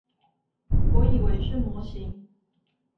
我以為是模型